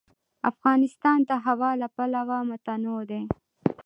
افغانستان د هوا له پلوه متنوع دی.